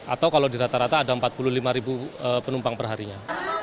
atau kalau di rata rata ada empat puluh lima ribu penumpang perharinya